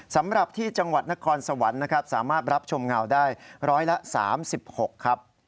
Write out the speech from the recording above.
สำหรับที่จังหวัดนครสวรรค์นะครับสามารถรับชมเงาได้ร้อยละ๓๖ครับ